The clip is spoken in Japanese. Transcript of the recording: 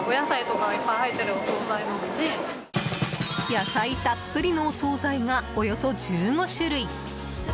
野菜たっぷりのお総菜がおよそ１５種類。